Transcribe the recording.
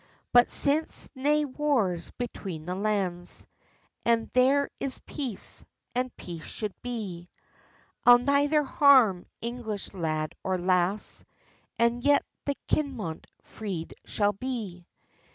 "But since nae war's between the lands, And there is peace, and peace should be; I'll neither harm English lad or lass, And yet the Kinmont freed shall be!"